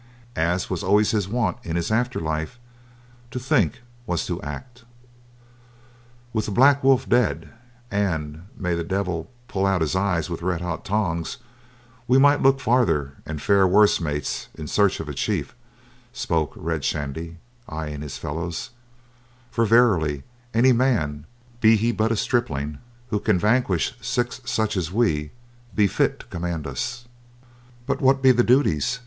As was always his wont in his after life, to think was to act. "With The Black Wolf dead, and may the devil pull out his eyes with red hot tongs, we might look farther and fare worse, mates, in search of a chief," spoke Red Shandy, eyeing his fellows, "for verily any man, be he but a stripling, who can vanquish six such as we, be fit to command us." "But what be the duties?"